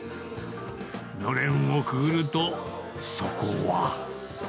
のれんをくぐると、そこは。